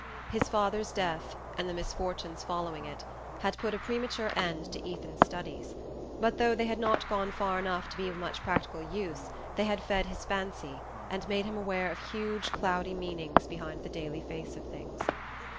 His father's death, and the misfortunes following it, had put a premature end to Ethan's studies; but though they had not gone far enough to be of much practical use they had fed his fancy and made him aware of huge cloudy meanings behind the daily face of things.